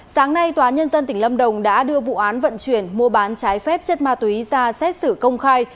sáng nay tòa nhân dân tỉnh lâm đồng đã đưa vụ án vận chuyển mua bán trái phép chất ma túy ra xét xử công khai